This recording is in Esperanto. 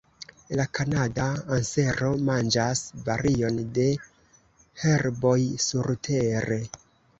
La Kanada ansero manĝas varion de herboj surtere.